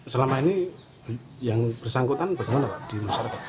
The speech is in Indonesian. selama ini yang bersangkutan bagaimana pak